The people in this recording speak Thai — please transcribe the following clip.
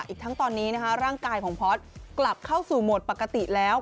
อีกทั้งตอนนี้ร่างกายของพอร์ตกลับเข้าสู่โหมดปกติแล้ว